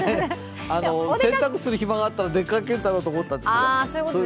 洗濯する暇があったら出かけるだろうと思ったんですよ。